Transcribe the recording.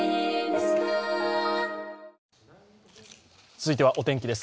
続いてはお天気です。